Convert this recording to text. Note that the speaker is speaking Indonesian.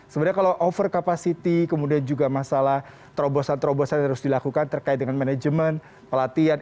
sebenarnya kalau over capacity kemudian juga masalah terobosan terobosan yang harus dilakukan terkait dengan manajemen pelatihan